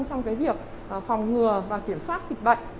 trong việc phòng ngừa và kiểm soát dịch bệnh